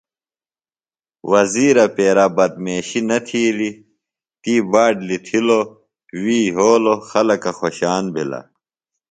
وزیرہ پیرا بدمیشی نہ تِھیلیۡ، تی باٹ لِتھِلو، وی یھولوۡ۔ خلکہ خوۡشان بِھلہ۔